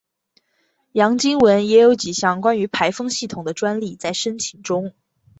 杨经文也有几项关于排风系统的专利在申请中。